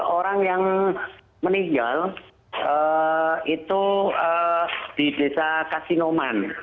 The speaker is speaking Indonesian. orang yang meninggal itu di desa kasinoman